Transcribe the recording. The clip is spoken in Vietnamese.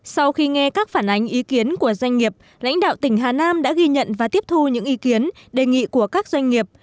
sau khi nghe các phản ánh ý kiến của doanh nghiệp lãnh đạo tỉnh hà nam đã ghi nhận và tiếp thu những ý kiến đề nghị của các doanh nghiệp